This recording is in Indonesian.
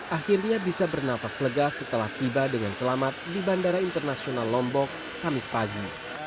akhirnya bisa bernafas lega setelah tiba dengan selamat di bandara internasional lombok kamis pagi